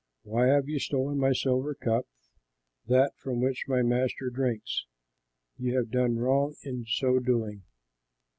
Why have you stolen my silver cup, that from which my master drinks? You have done wrong in so doing.'"